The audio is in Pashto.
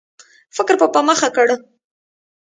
فکر په مخه کړ.